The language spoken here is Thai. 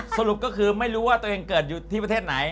สรุปก็คือไม่รู้ว่าตัวเองเกิดอยู่ที่ประเทศไหน